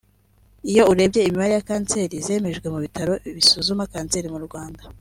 Iyo urebye imibare ya kanseri zemejwe mu bitaro bisuzuma kanseri mu Rwanda